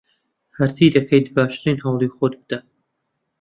هەرچی دەکەیت، باشترین هەوڵی خۆت بدە.